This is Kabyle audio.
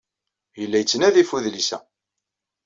Yella yettnadi ɣef udlis-a.